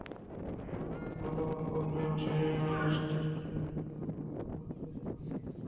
আবার অনেক ভালো ভালো প্রোগ্রামার, টেস্টারও আছেন যাঁরা ভালো কোম্পানি খুঁজে পাননি।